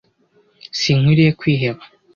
Sinkwiriye kwiheba.